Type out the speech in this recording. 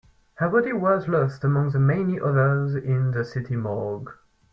Her body was lost among the many others in the city morgue.